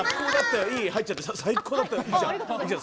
最高だったよ。